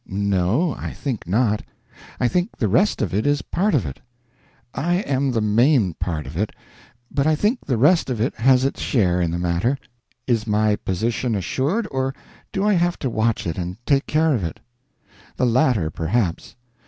No, I think not; I think the rest of it is part of it. I am the main part of it, but I think the rest of it has its share in the matter. Is my position assured, or do I have to watch it and take care of it? The latter, perhaps.